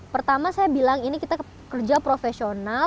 pertama saya bilang ini kita kerja profesional